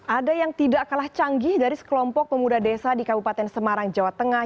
ada yang tidak kalah canggih dari sekelompok pemuda desa di kabupaten semarang jawa tengah